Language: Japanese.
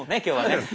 今日はね。